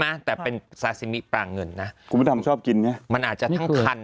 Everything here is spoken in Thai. ไหมแต่เป็นซาซีมิปลาเงินนะเครื่องทำชอบกินมันอาจจะทัน